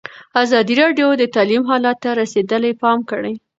ازادي راډیو د تعلیم حالت ته رسېدلي پام کړی.